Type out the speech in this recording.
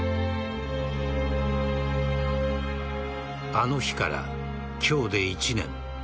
あの日から今日で１年。